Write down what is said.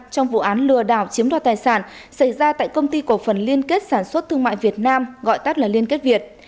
trong vụ án lừa đảo chiếm đoạt tài sản xảy ra tại công ty cổ phần liên kết sản xuất thương mại việt nam gọi tắt là liên kết việt